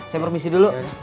saya permisi dulu